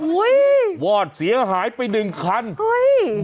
อุ้ยวอดเสียหายไปหนึ่งคันเฮ้ย